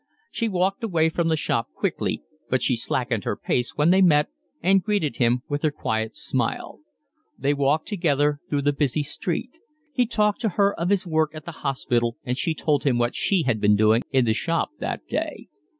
She walked away from the shop quickly, but she slackened her pace when they met, and greeted him with her quiet smile. They walked together through the busy street. He talked to her of his work at the hospital, and she told him what she had been doing in the shop that day.